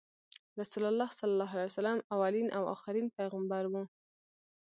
رسول الله ص اولین او اخرین پیغمبر وو۔